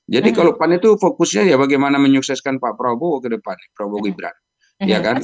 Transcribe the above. jadi kalau kemarin itu fokusnya bagaimana menyukseskan pak prabowo ke depan prabowo ibran